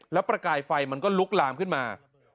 แล้วประกายไฟมันก็ลุกลามขึ้นมา